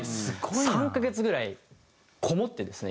３カ月ぐらいこもってですね